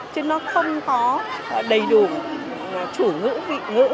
chứ nó không có đầy đủ chủ ngữ vị ngữ